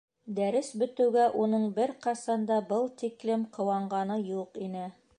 Дәрес бөтөүгә уның бер ҡасан да был тиклем ҡыуанғаны юҡ ине.